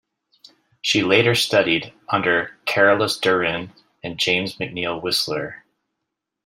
She later studied under Carolus-Duran and James McNeill Whistler.